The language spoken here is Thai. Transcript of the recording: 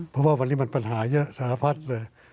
เพราะว่าวันนี้มันปัญหายเยอะสาธารณะภัษณ์เลย